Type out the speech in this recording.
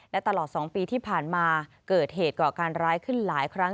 และตลอด๒ปีที่ผ่านมาเกิดเหตุก่อการร้ายขึ้นหลายครั้ง